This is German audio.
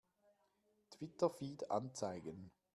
Twitter-Feed anzeigen!